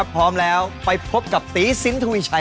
พร้อมแล้วไปพบกับตีสินทวีชัย